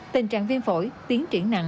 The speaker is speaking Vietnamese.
tình trạng viêm phổi tiến triển nặng